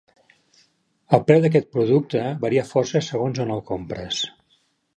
El preu d'aquest producte varia força segons on el compres.